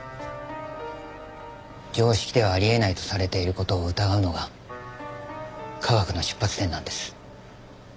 常識ではあり得ないとされている事を疑うのが科学の出発点なんです。